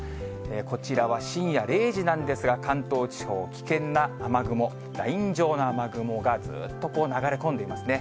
こちらは深夜０時なんですが、関東地方、危険な雨雲、ライン状の雨雲がずっとこう、流れ込んでいますね。